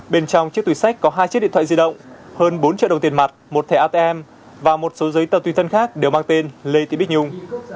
bên trong chiếc túi sách có hai chiếc điện thoại di động hơn bốn triệu đồng tiền mặt một thẻ atm và một số giấy tờ tùy thân khác đều mang tên lê t bích nhung